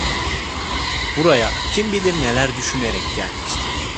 Buraya kim bilir neler düşünerek gelmişti?